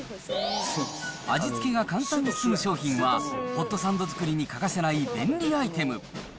味付けが簡単に済む商品は、ホットサンド作りに欠かせない便利アイテム。